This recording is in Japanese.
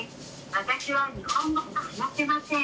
私は日本語が話せません。